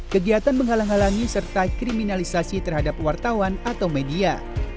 kegiatan menghalang halangi serta kriminalisasi terhadap wartawan atau media